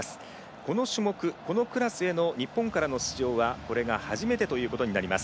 この種目、このクラスへの日本からの出場はこれが初めてということになります。